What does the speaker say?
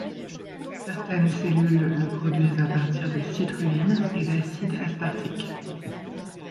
Certaines cellules le produisent à partir de citrulline et d'acide aspartique.